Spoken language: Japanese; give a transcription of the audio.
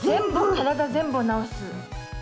体全部を治す。